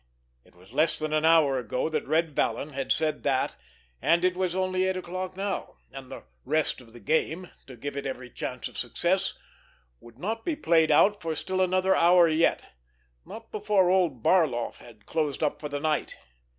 It was less than an hour ago that Red Vallon had said that, and it was only eight o'clock now, and the "rest of the game," to give it every chance of success, would not be played out for still another hour yet, not before old Barloff had closed up for the night.